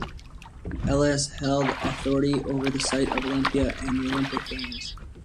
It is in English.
Elis held authority over the site of Olympia and the Olympic games.